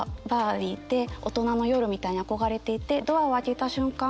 ＢＡＲに行って大人の夜みたいに憧れていてドアを開けた瞬間